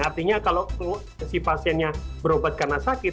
artinya kalau si pasiennya berobat karena sakit